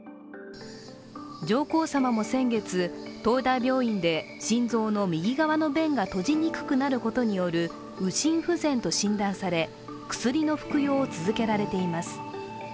上皇さまも先月、東大病院で心臓の右側の弁が閉じにくくなることによる右心不全と診断され、薬の服用を続けられています。